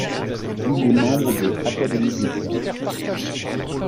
Il est membre de Académie des sciences.